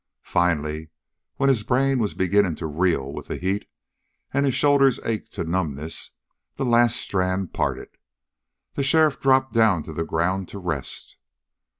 Finally, when his brain was beginning to reel with the heat, and his shoulders ached to numbness, the last strand parted. The sheriff dropped down to the ground to rest.